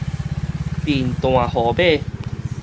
貧惰河馬